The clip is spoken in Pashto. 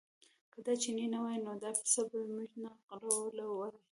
که دا چینی نه وای نو دا پسه موږ نه غلو وړی و.